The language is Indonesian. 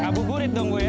kabu burit dong bu ya